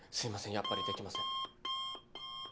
やっぱりできません。